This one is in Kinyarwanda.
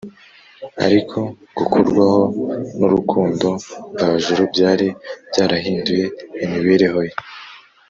ariko gukorwaho n’urukundo mvajuru byari byarahinduye imibereho ye